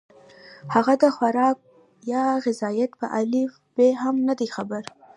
هغه د خوراک يا غذائيت پۀ الف ب هم نۀ دي خبر